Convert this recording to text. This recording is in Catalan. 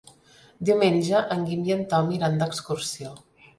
Diumenge en Guim i en Tom iran d'excursió.